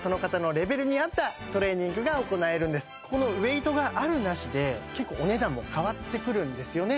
ここのウエイトがあるなしで結構お値段も変わってくるんですよね